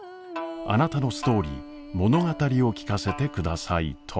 あなたのストーリー物語を聞かせてくださいと。